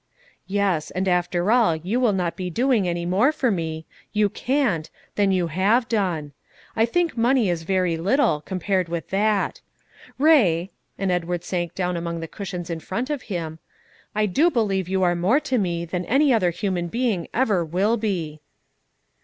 "Yes; and after all you will not be doing any more for me you can't than you have done. I think money is very little, compared with that. Ray," and Edward sank down among the cushions in front of him, "I do believe you are more to me than any other human being ever will be."